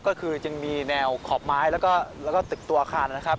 ก็คือจึงมีแนวขอบไม้แล้วก็ตึกตัวอาคารนะครับ